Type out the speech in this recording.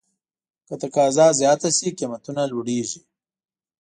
که تقاضا زیاته شي، قیمتونه لوړېږي.